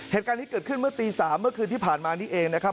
เหตุการณ์นี้เกิดขึ้นเมื่อตี๓เมื่อคืนที่ผ่านมานี้เองนะครับ